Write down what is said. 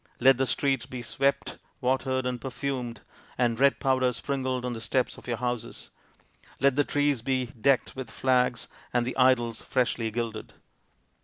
Let the streets be swept, watered, and perfumed, and red powder sprinkled on the steps of your houses. Let the trees be decked with flags and the idols freshly gilded."